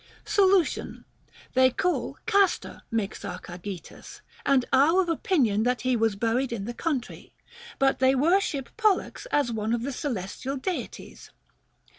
Solution. They call Castor Mixarchagetas, and are of opinion that he was buried in the country ; but they wor ship Pollux as one of the celestial Deities.